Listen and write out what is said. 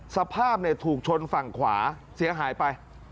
สภาพถูกชนฝั่งขวาเสียหายไป